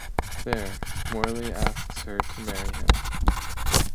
There, Morley asks her to marry him.